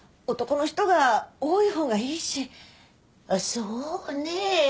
そうねえ。